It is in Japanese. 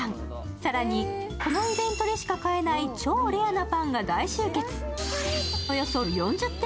更にこのイベントでしか変えない超レアなパンが大集結。